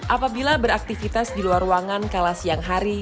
apabila beraktivitas di luar ruangan kala siang hari